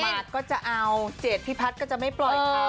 ก็จะเอาเจดพี่พัฒน์ก็จะไม่ปล่อยเขา